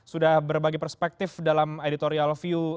sudah berbagi perspektif dalam editorial view